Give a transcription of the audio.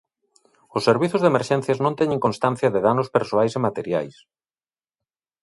Os servizos de emerxencias non teñen constancia de danos persoais e materiais.